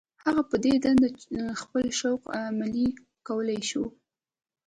هغه په دې دنده خپل شوق عملي کولای شو.